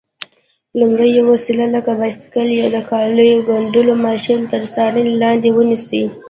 لومړی: یوه وسیله لکه بایسکل یا د کالیو ګنډلو ماشین تر څارنې لاندې ونیسئ.